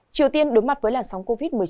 triều tiên đối mặt với làn sóng covid một mươi chín